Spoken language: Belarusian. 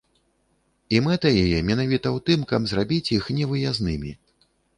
І мэта яе менавіта ў тым, каб зрабіць іх невыязднымі.